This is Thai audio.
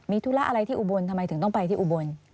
มีธุระอะไรที่อุบลทำไมถึงต้องไปที่อุบล